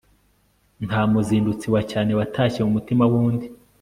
nta muzindutsi wa cyane watashye mu mutima w'undi